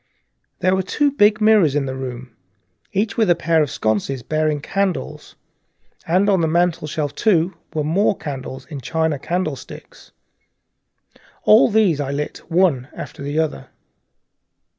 There were two big mirrors in the room, each with a pair of sconces bearing candles, and on the mantelshelf, too, were candles in china candle sticks. All these I lit one after the other.